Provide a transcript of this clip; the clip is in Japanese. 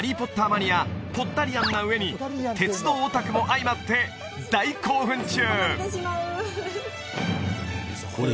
マニアポッタリアンな上に鉄道オタクも相まって大興奮中！